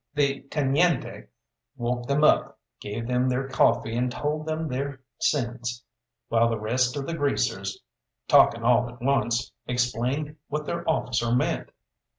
The teniente woke them up, gave them their coffee and told them their sins, while the rest of the greasers, talking all at once, explained what their officer meant.